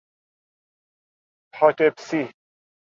پاتبسی